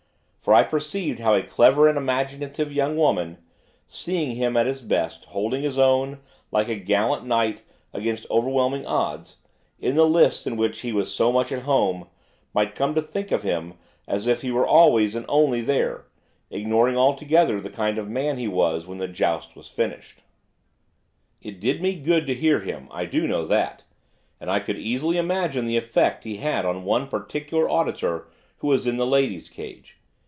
For I perceived how a clever and imaginative young woman, seeing him at his best, holding his own, like a gallant knight, against overwhelming odds, in the lists in which he was so much at home, might come to think of him as if he were always and only there, ignoring altogether the kind of man he was when the joust was finished. It did me good to hear him, I do know that, and I could easily imagine the effect he had on one particular auditor who was in the Ladies' Cage.